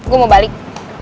gue mau balik